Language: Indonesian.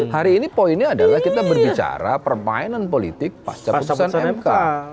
hari ini poinnya adalah kita berbicara permainan politik pasca putusan mk